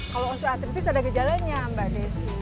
kalau osteoartritis ada gejalanya mbak desi